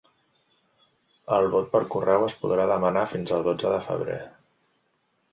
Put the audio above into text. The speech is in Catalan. El vot per correu es podrà demanar fins al dotze de febrer.